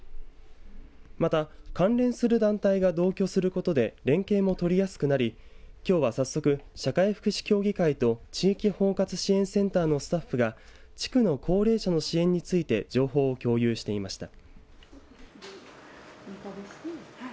また関連する団体が同居することで連携も取りやすくなりきょうは早速、社会福祉協議会と地域包括支援センターのスタッフが地区の高齢者の支援について情報を共有していました。